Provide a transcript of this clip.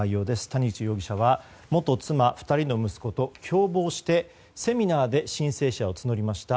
谷口容疑者は元妻、２人の息子とセミナーで申請者を募りました。